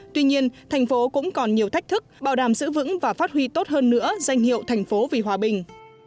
tuy nhiên thành phố cũng còn nhiều thách thức bảo đảm giữ vững và phát huy tốt hơn nữa danh hiệu thành phố vì hòa bình